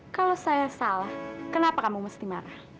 kalau saya salah kenapa kamu mesti marah